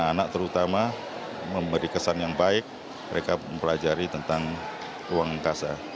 karena terutama memberi kesan yang baik mereka mempelajari tentang ruang angkasa